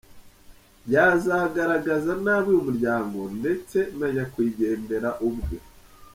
Byazagaragaza nabi uyu muryango ndetse na nyakwigendera ubwe.